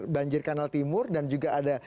banjir kanal timur dan juga ada